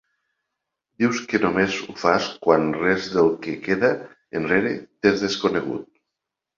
Dius que només ho fas quan res del que queda enrere t'és desconegut.